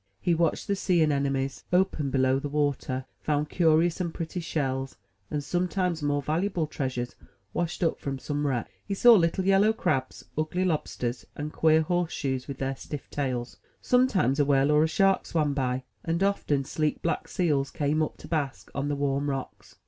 He watched the sea anemones open below the water, found curious and pretty shells, and some times more valuable treasures, washed up from some wreck. He saw little yellow crabs, ugly lobsters, and queer horse shoes with their stiff tails. Sometimes a whale or a shark swam by, and often sleek black seals came up to bask on the warm rocks.